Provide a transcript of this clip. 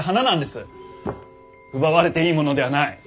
奪われていいものではない。